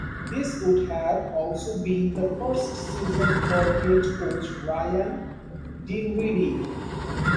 This would have also been the first season for head coach Ryan Dinwiddie.